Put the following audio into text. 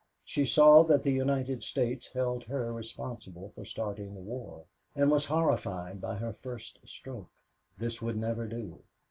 She saw that the United States held her responsible for starting the war and was horrified by her first stroke. This would never do.